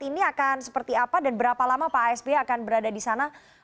ini akan seperti apa dan berapa lama pak sby akan berada di sana